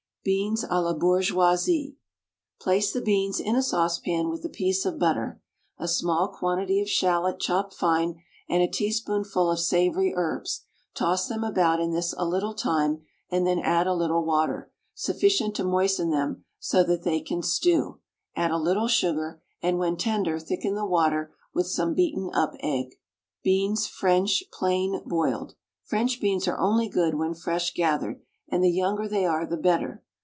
BEANS A LA BOURGEOISE. Place the beans in a saucepan, with a piece of butter, a small quantity of shallot chopped fine, and a teaspoonful of savoury herbs; toss them about in this a little time, and then add a little water, sufficient to moisten them so that they can stew; add a little sugar, and when tender thicken the water with some beaten up egg. BEANS, FRENCH, PLAIN BOILED. French beans are only good when fresh gathered, and the younger they are the better.